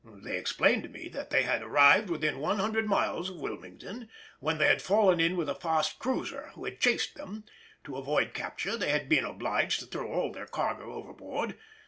They explained to me that they had arrived within 100 miles of Wilmington when they had fallen in with a fast cruiser, who had chased them; to avoid capture they had been obliged to throw all their cargo overboard.